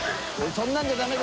そんなんじゃダメ！